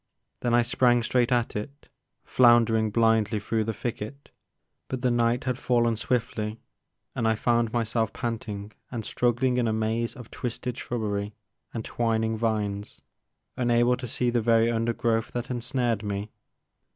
Then I sprang straight at it, flounder ing blindly through the thicket, but the night had fallen swiftly and I found myself panting and struggling in a maze of twisted shrubbery and twining vines, unable to see the very undergrowth that ensnared me.